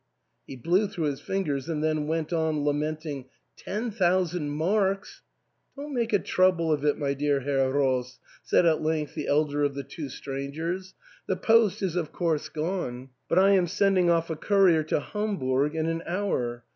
" He blew through his fingers and then went on lamenting, ^* Ten thousand marks !"" Don't, make a trouble of it, my dear Herr Roos," said at length the elder of the two strangers. " The post is of course gone ; but I am sending off a courier to Ham burg in an hour.